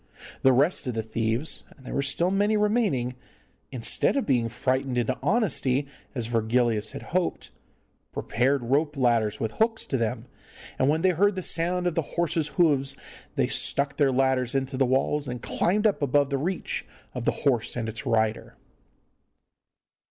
The rest of the thieves and there were still many remaining instead of being frightened into honesty, as Virgilius had hoped, prepared rope ladders with hooks to them, and when they heard the sound of the horse's hoofs they stuck their ladders into the walls, and climbed up above the reach of the horse and its rider.